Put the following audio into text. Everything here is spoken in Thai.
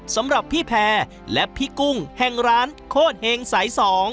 สำหรับพี่แพรและพี่กุ้งแห่งร้านโคตรเฮงสาย๒